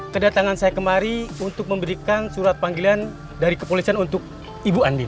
kedatangan saya kemari untuk memberikan surat panggilan dari kepolisian untuk ibu andi